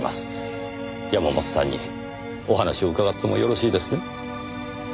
山本さんにお話を伺ってもよろしいですね？